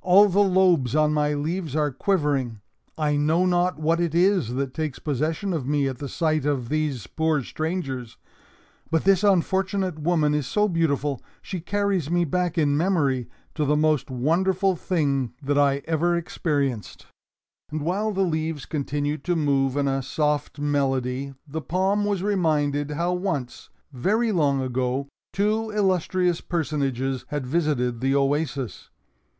"All the lobes on my leaves are quivering. I know not what it is that takes possession of me at the sight of these poor strangers. But this unfortunate woman is so beautiful! She carries me back, in memory, to the most wonderful thing that I ever experienced." And while the leaves continued to move in a soft melody, the palm was reminded how once, very long ago, two illustrious personages had visited the oasis.